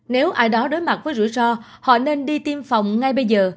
nếu ai đó đối mặt với rủi ro họ nên đi tiêm phòng ngay bây giờ